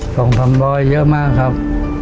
สองสามร้อยเยอะมากครับ